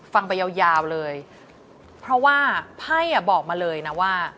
ฟังไปยาวเลยเพราะว่าไพ่อ่ะบอกมาเลยนะว่า